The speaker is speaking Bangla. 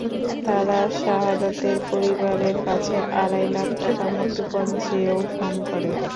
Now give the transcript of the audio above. তারা শাহাদাতের পরিবারের কাছে আড়াই লাখ টাকা মুক্তিপণ চেয়েও ফোন করে।